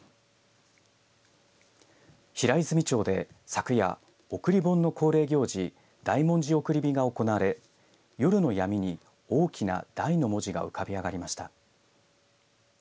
平泉町で昨夜送り盆の恒例行事大文字送り火が行われ夜の闇に大きな大の文字が浮かび上がりました。